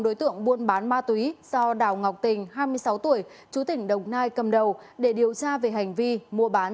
đối tượng buôn bán ma túy do đào ngọc tình hai mươi sáu tuổi chú tỉnh đồng nai cầm đầu để điều tra về hành vi mua bán